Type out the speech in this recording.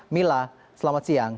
mila selamat siang